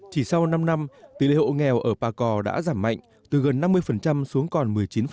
chỉ sau năm năm tỷ lệ hộ nghèo ở pà cò đã giảm mạnh từ gần năm mươi xuống còn một mươi chín